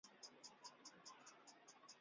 瓶壶卷瓣兰为兰科石豆兰属下的一个种。